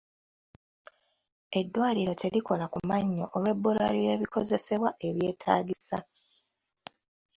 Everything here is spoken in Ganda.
Eddwaliro terikola ku mannyo olw'ebbula ly'ebikozesebwa ebyetaagisa.